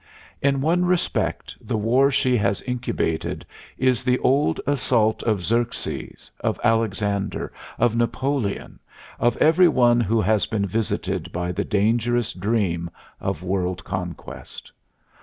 In one respect the war she has incubated is the old assault of Xerxes, of Alexander, of Napoleon, of every one who has been visited by the dangerous dream of world conquest.